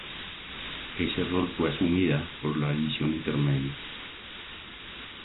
Ese rol fue asumida por la División Intermedia.